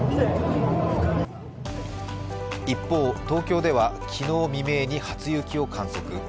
一方、東京では昨日未明に初雪を観測。